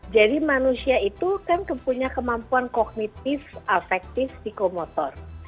jadi manusia itu kan punya kemampuan kognitif affective psikomotor